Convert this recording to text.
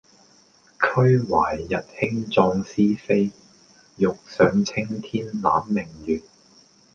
俱懷逸興壯思飛，欲上青天攬明月